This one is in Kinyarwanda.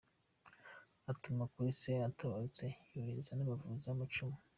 Atuma kuri se ko atabarutse; yohereza n’abavuzi b’amacumu.